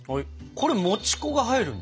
これもち粉が入るんだ。